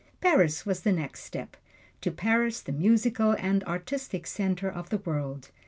Paris was the next step to Paris, the musical and artistic center of the world.